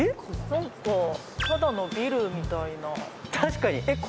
なんかただのビルみたいな確かにえっ